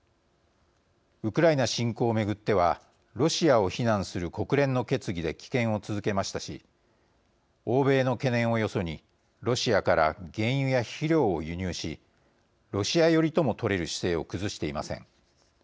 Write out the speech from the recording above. ウクライナ侵攻を巡ってはロシアを非難する国連の決議で棄権を続けましたし欧米の懸念をよそにロシアから原油や肥料を輸入しロシア寄りとも取れる姿勢を崩していません。